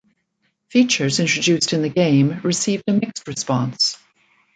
Features introduced in the game received a mixed response.